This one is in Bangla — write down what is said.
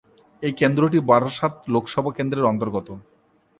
এই কেন্দ্রটি বারাসত লোকসভা কেন্দ্রের অন্তর্গত।